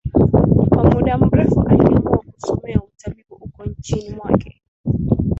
Kwa muda mrefu aliamua kusomea utabibu uko nchini mwake